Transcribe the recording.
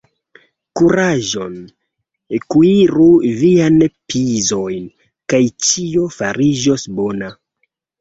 Kuraĝon! Kuiru viajn pizojn kaj ĉio fariĝos bona!